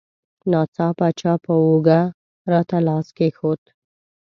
ناڅاپه چا په اوږه راته لاس کېښود.